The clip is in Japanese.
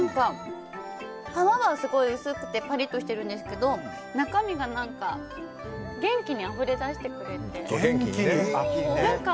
皮はすごく薄くてパリッとしてるんですけど中身が元気にあふれ出してくれて。